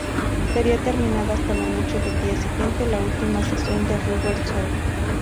Sería terminada hasta la noche del día siguiente —la última sesión de "Rubber Soul".